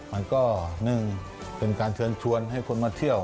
มันก็หนึ่งเป็นการเชิญชวนให้คนมาเที่ยว